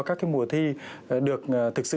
các cái mùa thi được thực sự